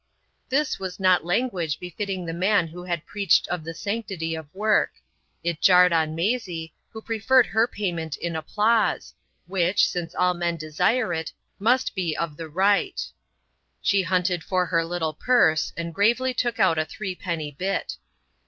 This was not language befitting the man who had preached of the sanctity of work. It jarred on Maisie, who preferred her payment in applause, which, since all men desire it, must be of her right. She hunted for her little purse and gravely took out a threepenny bit.